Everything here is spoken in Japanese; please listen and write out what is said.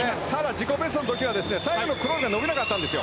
自己ベストの時は最後のクロールが伸びなかったんですよ。